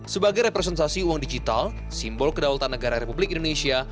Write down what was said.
sebagai representasi uang digital simbol kedaulatan negara republik indonesia